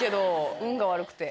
運が悪くて。